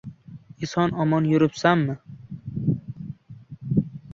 Eson-omon yuribsanmi?